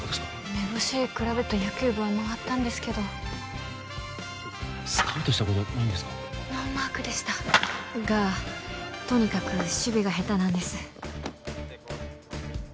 めぼしいクラブと野球部は回ったんですけどスカウトした子じゃないんですかノーマークでしたがとにかく守備が下手なんです